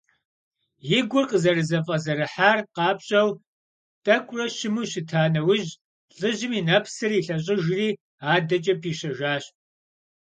И гур къызэрызэфӀэзэрыхьар къапщӀэу, тӀэкӀурэ щыму щыта нэужь, лӀыжьым и нэпсыр илъэщӀыжри, адэкӀэ пищэжащ.